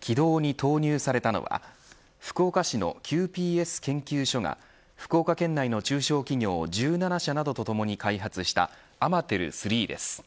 軌道に投入されたのは福岡市のＱＰＳ研究所が福岡県内の中小企業１７社などとともに開発したアマテル‐３です。